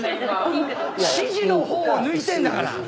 指示の方を抜いてんだから！